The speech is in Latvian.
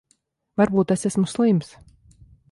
Varbūt es esmu slims.